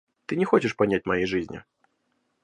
Ты не хочешь понять моей жизни.